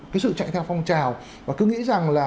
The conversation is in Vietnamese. cái sự chạy theo phong trào và cứ nghĩ rằng là